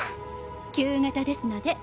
旧型ですので。